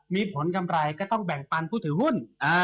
มีผลกำไรก็ต้องแบ่งปันผู้ถือหุ้น